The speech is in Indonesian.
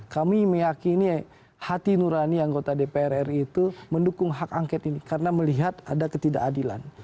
kami meyakini hati nurani anggota dpr ri itu mendukung hak angket ini karena melihat ada ketidakadilan